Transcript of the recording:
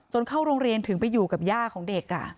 เข้าโรงเรียนถึงไปอยู่กับย่าของเด็ก